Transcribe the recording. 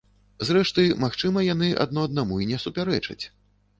Зрэшты, магчыма яны адно аднаму не і супярэчаць.